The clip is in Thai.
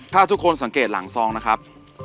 ถ้าทุกคนสังเกตหลังซองนะครับ